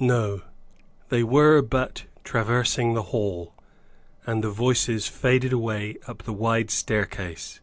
No; they were but traversing the hall, and the voices faded away up the wide staircase.